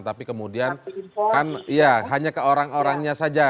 tapi kemudian kan ya hanya ke orang orangnya saja